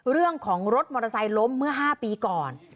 เรื่องของรถมอเตอร์ไซค์ล้มเมื่อ๕ปีก่อน